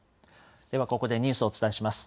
ではここでニュースをお伝えします。